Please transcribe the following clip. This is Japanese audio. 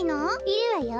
いるわよ。